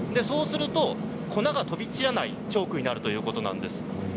そうすると粉が飛び散らないチョークになるということなんです。